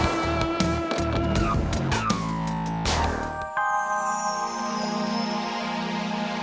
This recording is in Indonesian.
masih lu nunggu